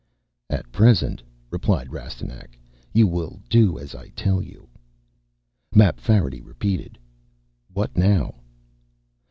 "At present," replied Rastignac, "you will do as I tell you." Mapfarity repeated, "What now?"